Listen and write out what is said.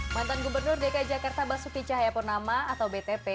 mantan gubernur dki jakarta basuki cahayapurnama atau btp